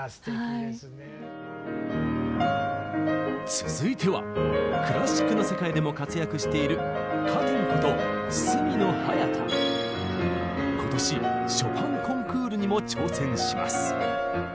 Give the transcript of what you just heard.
続いてはクラシックの世界でも活躍している今年ショパンコンクールにも挑戦します。